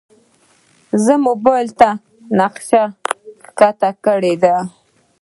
زه موبایل ته نقشه ښکته کړې ده.